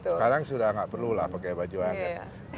sekarang sudah tidak perlu pakai baju hangat